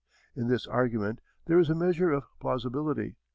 In this argument there is a measure of plausibility.